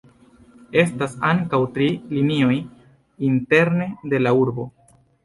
Estas ankaŭ tri linioj interne de la urbo.